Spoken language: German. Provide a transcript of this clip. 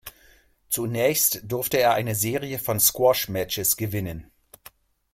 Zunächst durfte er eine Serie von Squash-Matches gewinnen.